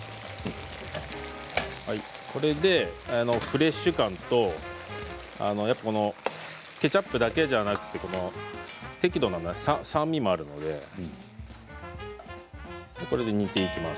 これでフレッシュ感とケチャップだけじゃなく適度な酸味もあるのでこれで煮ていきます。